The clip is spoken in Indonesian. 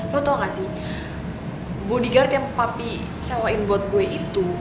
lo tau gak sih body guard yang papi sewain buat gue itu